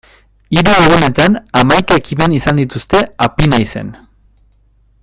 Hiru egunetan hamaika ekimen izan dituzte Apinaizen.